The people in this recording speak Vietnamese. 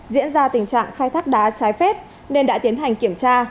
diễn ra tình trạng khai thác đá trái phép nên đã tiến hành kiểm tra